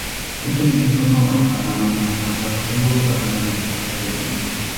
Będziemy informować Parlament na temat dalszego wdrażania naszej strategii